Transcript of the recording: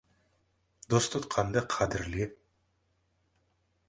Дос тұтқанды қадірле.